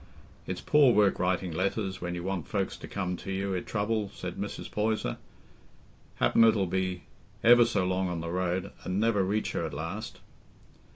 "It's poor work writing letters when you want folks to come to you i' trouble," said Mrs. Poyser. "Happen it'll be ever so long on the road, an' never reach her at last."